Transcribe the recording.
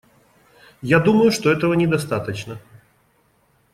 Я думаю, что этого недостаточно.